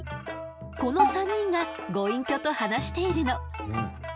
この３人がご隠居と話しているの。